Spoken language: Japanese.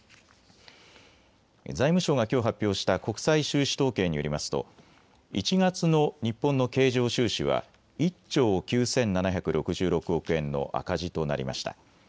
財務省がきょう発表した国際収支統計によりますと１月の日本の経常収支は１兆９７６６億円の赤字となりました。